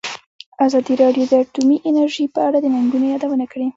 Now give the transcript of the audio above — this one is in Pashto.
ازادي راډیو د اټومي انرژي په اړه د ننګونو یادونه کړې.